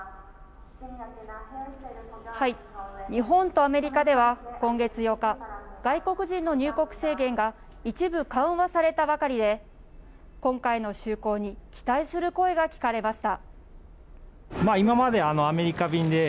日本とアメリカでは今月８日、外国人の入国制限が一部緩和されたばかりで今回の就航に期待する声が聞かれました。